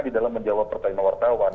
di dalam menjawab pertanyaan wartawan